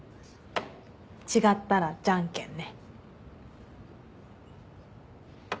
違ったらじゃんけんね。